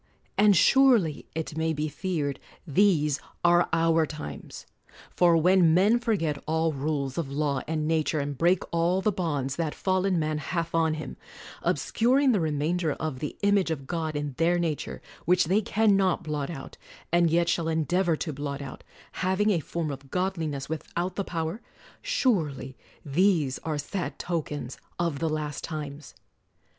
And surely it may be feared, these are our times. For when men forget all rules of law and nature, and break all the bonds that fallen man hath on him, obscuring the remainder of the image of God in their nature, which they can not blot out, and yet shall endeavor to blot out, " having a form of godliness without the power," — surely these are sad tokens of the last times